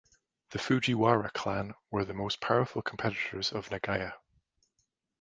The Fujiwara clan were the most powerful competitors of Nagaya.